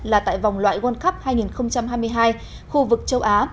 là tại vòng loại world cup hai nghìn hai mươi hai khu vực châu á